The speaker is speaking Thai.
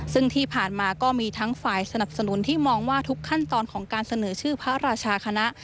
ซึ่งที่ผ่านมาก็มีทั้งฝ่ายสนับสนุนที่มองว่าทุกขั้นตอนของการเสนอชื่อพระราชาคณะ